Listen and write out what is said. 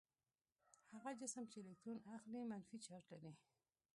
هغه جسم چې الکترون اخلي منفي چارج لري.